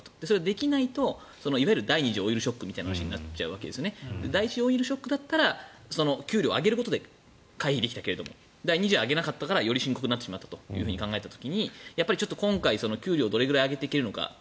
それができないといわゆる第２次オイルショックみたいな話になって第１次オイルショックだったら給料を上げることで解決できるけど第２次は上げなかったからより深刻になってしまったと考えたときに、今回給料をどれくらい上げていけるのか。